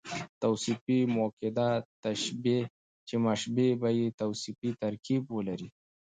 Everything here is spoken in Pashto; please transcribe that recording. توصيفي مؤکده تشبیه، چي مشبه به ئې توصیفي ترکيب ولري.